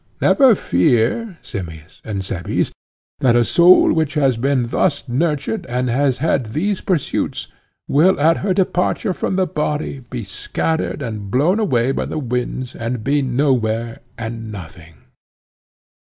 Never fear, Simmias and Cebes, that a soul which has been thus nurtured and has had these pursuits, will at her departure from the body be scattered and blown away by the winds and be nowhere and nothing.